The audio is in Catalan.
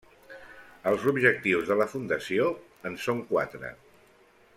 Els objectius de la fundació en són quatre.